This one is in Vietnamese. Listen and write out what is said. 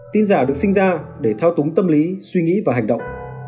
tin giả được sinh ra để thao túng tâm lý suy nghĩ và hành động